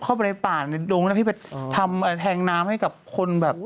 เข้าไปในป่าในดงนะพี่ไปทำแทงน้ำให้กับคนแบบ